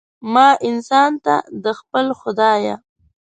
ما انسان ته، د خپل خدایه